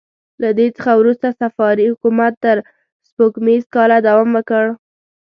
له دې څخه وروسته صفاري حکومت تر سپوږمیز کاله دوام وکړ.